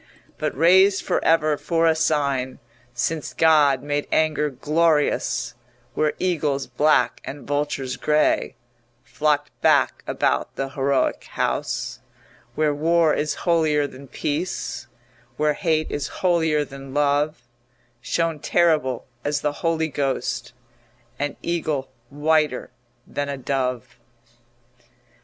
But raised for ever for a sign Since God made anger glorious, Where eagles black and vultures grey Flocked back about the heroic house, Where war is holier than peace, Where hate is holier than love, Shone terrible as the Holy Ghost An eagle whiter than a dove.